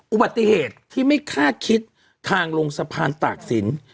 อุบัติเหตุที่ไม่คาดคิดทางลงสะพานตากศิลป์